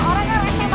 mereka mau ngapain ya